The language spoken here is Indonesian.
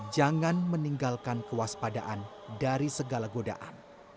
jangan meninggalkan kewaspadaan dari segala godaan